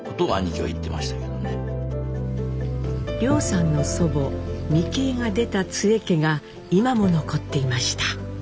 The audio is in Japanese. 凌さんの祖母ミキエが出た津江家が今も残っていました。